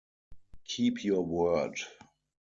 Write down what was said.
Keep your word.